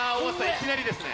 いきなりですね。